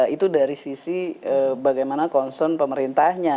itu dari sisi bagaimana concern pemerintahnya